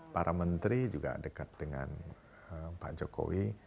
para menteri juga dekat dengan pak jokowi